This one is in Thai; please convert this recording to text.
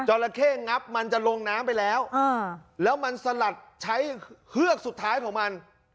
ราเข้งับมันจะลงน้ำไปแล้วแล้วมันสลัดใช้เฮือกสุดท้ายของมัน